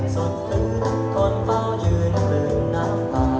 สดทืดถอนเฝ้ายืนเปลือน้ำพา